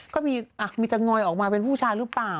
ก็มีจะงอยออกมาเป็นผู้ชายหรือเปล่า